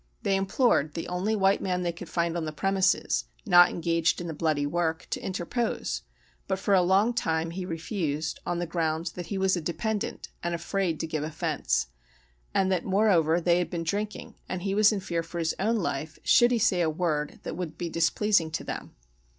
They implored the only white man they could find on the premises, not engaged in the bloody work, to interpose; but for a long time he refused, on the ground that he was a dependent, and was afraid to give offence; and that, moreover, they had been drinking, and he was in fear for his own life, should he say a word that would be displeasing to them.